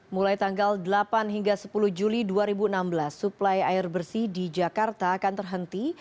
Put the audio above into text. mulai tanggal delapan hingga sepuluh juli dua ribu enam belas suplai air bersih di jakarta akan terhenti